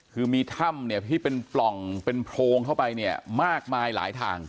คือมีถ้ำเนี่ยที่เป็นปล่องเป็นโพรงเข้าไปเนี่ยมากมายหลายทาง